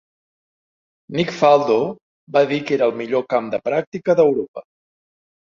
Nick Faldo va dir que era el millor camp de pràctica d"Europa.